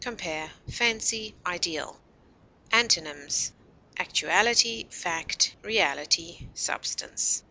Compare FANCY; IDEAL. Antonyms: actuality, fact, reality, substance.